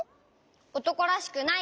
おとこらしくないから！